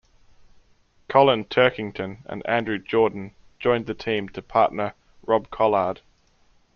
Colin Turkington and Andrew Jordan joined the team to partner Rob Collard.